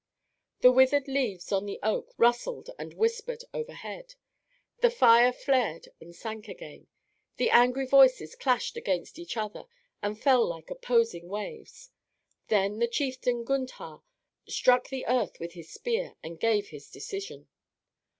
The withered leaves on the oak rustled and whispered overhead. The fire flared and sank again. The angry voices clashed against each other and fell like opposing waves. Then the chieftain Gundhar struck the earth with his spear and gave his decision.